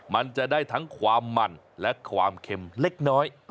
มันจะได้ทั้งความมันและความเค็มเล็กน้อย